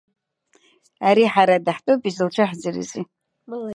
Ари ҳара даҳтәуп, изылцәааӡарызеи.